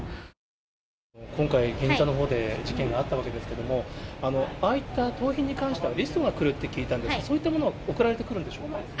今回、銀座のほうで事件があったわけですけれども、ああいった盗品に関してはリストがくるって聞いたんですが、そういったものは送られてくるんでしょうか？